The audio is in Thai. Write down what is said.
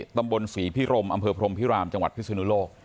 ตำบลศรีพิรมอำเภอพรมพิรามจังหวัดพิศนุโลก